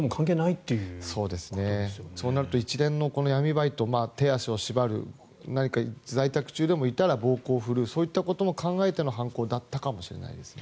そうなると一連のこの闇バイト手足を縛る何か、在宅中でも、いたら暴行を振るうそういったことも考えての犯行だったかもしれないですね。